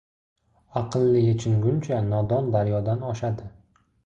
• Aqlli yechinguncha nodon daryodan oshadi.